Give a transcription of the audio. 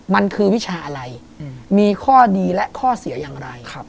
มันคือวิชาอะไรมีข้อดีและข้อเสียอย่างไร